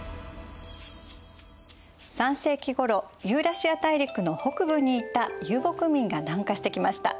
３世紀ごろユーラシア大陸の北部にいた遊牧民が南下してきました。